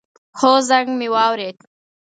هو، زنګ می واورېد